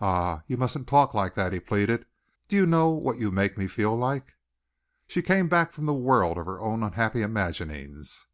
"Ah, you mustn't talk like that!" he pleaded. "Do you know what you make me feel like?" She came back from the world of her own unhappy imaginings.